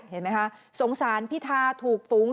เห็นไหมคะสงสารพิธาถูกฝูง